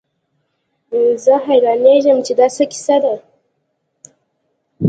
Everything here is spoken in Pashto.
زه حيرانېږم چې دا څه کيسه ده.